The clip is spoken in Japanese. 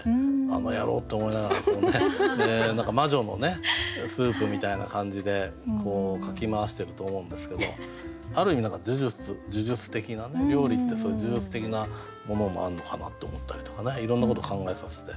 「あの野郎！」って思いながらこうね何か魔女のスープみたいな感じでかき回してると思うんですけどある意味何か呪術的な料理ってそういう呪術的なものもあるのかなって思ったりとかねいろんなこと考えさせて好きな歌ですね